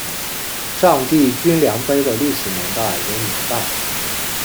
丈地均粮碑的历史年代为明代。